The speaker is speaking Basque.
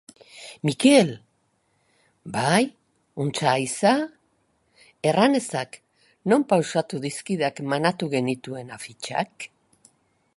Mikel! Bai, ontsa haiza? Erran ezak, non pausatu dizkidak manatu genituen afitxak?